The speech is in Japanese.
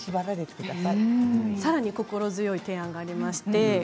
さらに心強い提案があります。